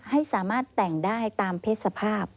ให้สามารถแต่งได้ตามเพศสภาพ